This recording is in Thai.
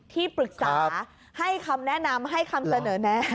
ที่ปรึกษาให้คำแนะนำให้คำเสนอแนะ